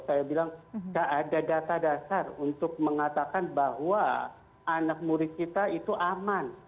saya bilang tidak ada data dasar untuk mengatakan bahwa anak murid kita itu aman